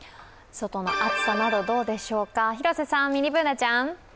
外の暑さなどどうでしょうか、広瀬さん、ミニＢｏｏｎａちゃん。